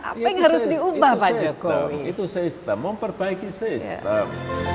apa yang harus diubah itu sistem memperbaiki sistem